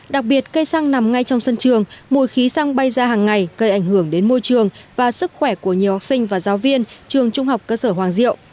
đặc biệt cây xăng nằm ngay trong sân trường mùi khí xăng bay ra hàng ngày gây ảnh hưởng đến môi trường và sức khỏe của nhiều học sinh và giáo viên trường trung học cơ sở hoàng diệu